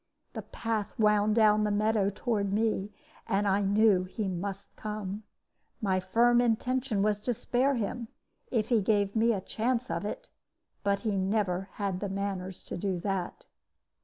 The path wound down the meadow toward me, and I knew that he must come. My firm intention was to spare him, if he gave me a chance of it; but he never had the manners to do that.